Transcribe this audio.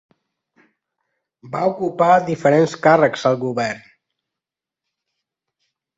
Va ocupar diferents càrrecs al govern.